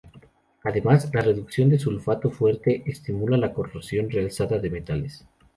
Además, la reducción de sulfato fuerte estimula la corrosión realzada de metales.